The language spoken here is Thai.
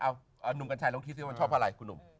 เอ้านุ่มกัญชัยลงที่เซียวมันชอบอะไรคุณหนุ่ม